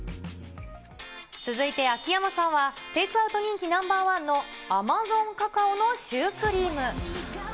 続いて秋山さんは、テイクアウト人気ナンバー１のアマゾンカカオのシュークリーム。